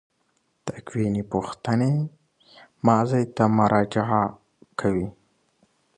تکویني پوښتنې ماضي ته مراجعه کوي.